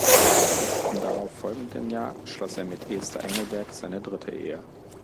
Im darauf folgenden Jahr schloss er mit Esther Engelberg seine dritte Ehe.